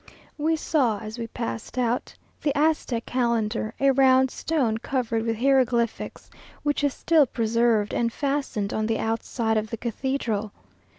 We saw, as we passed out, the Aztec Calendar, a round stone covered with hieroglyphics, which is still preserved and fastened on the outside of the cathedral.